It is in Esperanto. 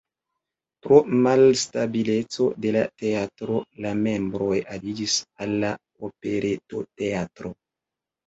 Pro malstabileco de la teatro la membroj aliĝis al la Operetoteatro.